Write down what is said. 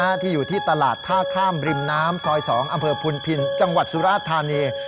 ที่อยู่ที่ตลาดท่าข้ามริมน้ำซอย๒อำเภอพุนพินจังหวัดสุราชธานี